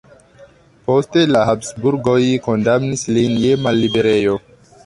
Poste la Habsburgoj kondamnis lin je malliberejo.